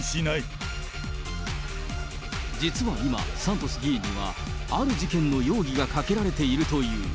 実は今、サントス議員には、ある事件の容疑がかけられているという。